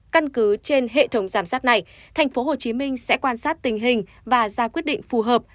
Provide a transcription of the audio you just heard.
căn cứ trên hệ thống giám sát này tp hcm sẽ quan sát tình hình và ra quyết định phù hợp